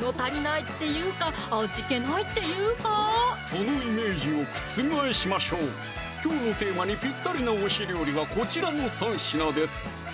そのイメージを覆しましょうきょうのテーマにぴったりな推し料理はこちらの３品です